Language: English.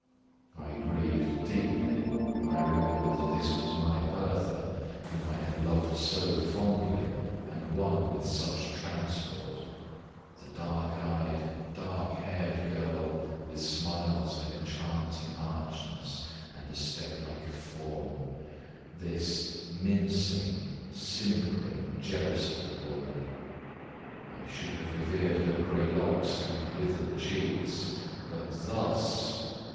I grieved deeply when I remembered that this was my Bertha, whom I had loved so fondly, and won with such transport the dark eyed, dark haired girl, with smiles of enchanting archness and a step like a fawn this mincing, simpering, jealous old woman. I should have revered her gray locks and withered cheeks; but thus!